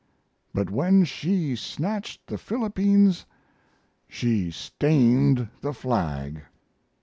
But when she snatched the Philippines she stained the flag."